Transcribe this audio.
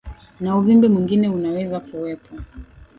na uvimbe mwingine unaweza kuwepo